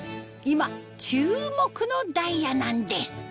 今注目のダイヤなんです